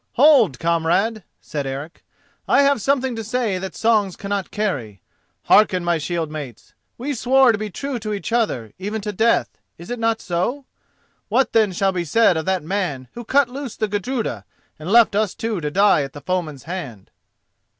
"Hold, comrade," said Eric, "I have something to say that songs cannot carry. Hearken, my shield mates: we swore to be true to each other, even to death: is it not so? What then shall be said of that man who cut loose the Gudruda and left us two to die at the foeman's hand?"